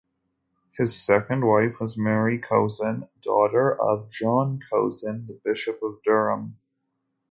His second wife was Mary Cosin, daughter of John Cosin the Bishop of Durham.